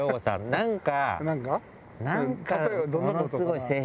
何か？